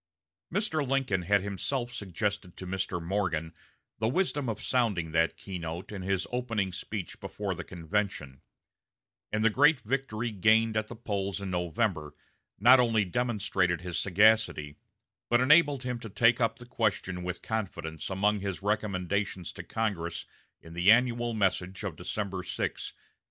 Mr. Lincoln had himself suggested to Mr. Morgan the wisdom of sounding that key note in his opening speech before the convention; and the great victory gained at the polls in November not only demonstrated his sagacity, but enabled him to take up the question with confidence among his recommendations to Congress in the annual message of December 6, 1864.